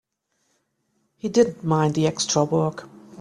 He didn't mind the extra work.